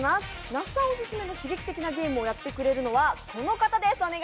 那須さんオススメの刺激的なゲームをやってくださるのは、この方です。